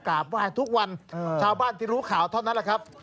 กราบไหว้ทุกวันชาวบ้านที่รู้ข่าวเท่านั้นแหละครับ